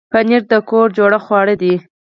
پنېر د کور جوړ خواړه دي.